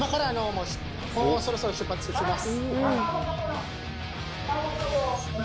もうそろそろ出発します。